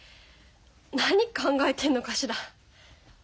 何考えてんのかしら。